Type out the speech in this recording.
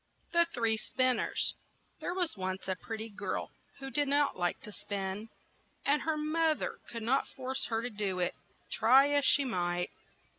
THE THREE SPINNERS THERE was once a pret ty girl who did not like to spin, and her moth er could not force her to do it, try as she might.